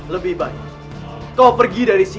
lebih baik kau pergi dari sini